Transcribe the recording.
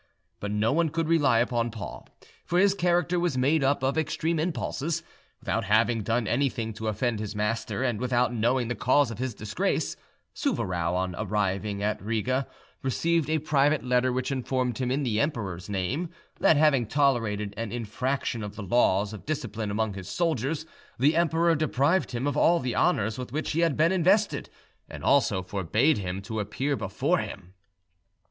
But no one could rely upon Paul, for his character was made up of extreme impulses. Without having done anything to offend his master, and without knowing the cause of his disgrace, Souvarow, on arriving at Riga, received a private letter which informed him, in the emperor's name, that, having tolerated an infraction of the laws of discipline among his soldiers, the emperor deprived him of all the honours with which he had been invested, and also forbade him to appear before him.